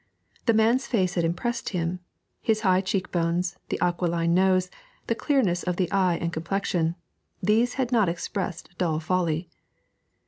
The man's face had impressed him; the high cheek bones, the aquiline nose, the clearness of the eye and complexion these had not expressed dull folly.